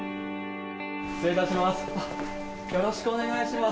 失礼いたします。